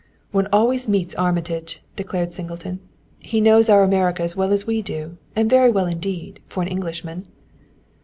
"One always meets Armitage!" declared Singleton. "He knows our America as well as we do and very well indeed for an Englishman."